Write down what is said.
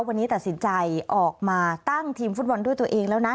วันนี้ตัดสินใจออกมาตั้งทีมฟุตบอลด้วยตัวเองแล้วนะ